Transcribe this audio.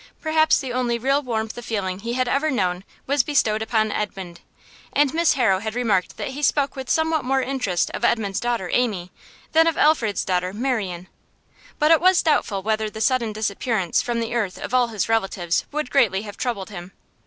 Perhaps the only real warmth of feeling he had ever known was bestowed upon Edmund, and Miss Harrow had remarked that he spoke with somewhat more interest of Edmund's daughter, Amy, than of Alfred's daughter, Marian. But it was doubtful whether the sudden disappearance from the earth of all his relatives would greatly have troubled him.